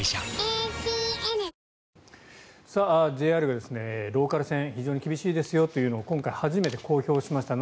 ＪＲがローカル線非常に厳しいですよというのを今回初めて公表しました。